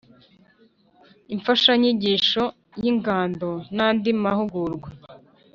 Imfashanyigisho y Ingando n andi mahugurwa